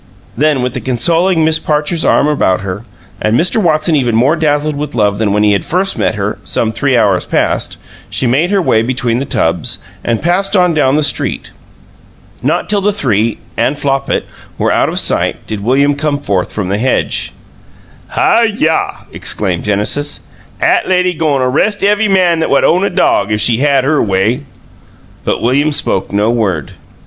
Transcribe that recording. Then with the consoling Miss Parcher's arm about her, and Mr. Watson even more dazzled with love than when he had first met her, some three hours past, she made her way between the tubs, and passed on down the street. Not till the three (and Flopit) were out of sight did William come forth from the hedge. "Hi yah!" exclaimed Genesis. "'At lady go'n a 'rest ev'y man what own a dog, 'f she had her way!" But William spoke no word.